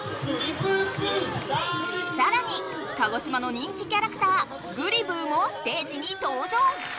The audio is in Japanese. さらに鹿児島の人気キャラクターぐりぶーもステージにとう場。